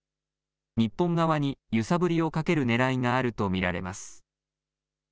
日本側に揺さぶりをかけるねらいがあると見られます。